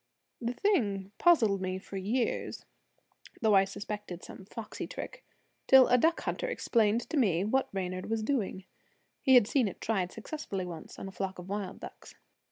The thing puzzled me for years, though I suspected some foxy trick, till a duck hunter explained to me what Reynard was doing. He had seen it tried successfully once on a flock of wild ducks.